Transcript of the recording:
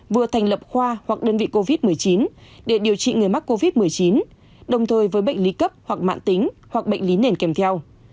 vừa thành lập khoa hoặc đơn vị covid một mươi chín để điều trị người mắc covid một mươi chín đồng thời với bệnh lý cấp hoặc mạng tính hoặc bệnh lý nền kèm theo